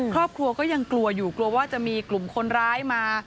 ครอบครัวก็ยังกลัวอยู่กลัวว่าจะมีกลุ่มคนร้ายมา